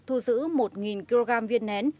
thu giữ một kg viên nén